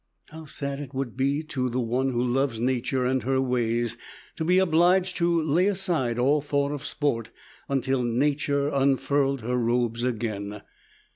How sad it would be to the one who loves nature and her ways to be obliged to lay aside all thought of sport until nature unfurled her robes again!